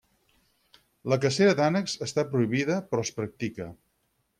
La cacera d'ànecs està prohibida però es practica.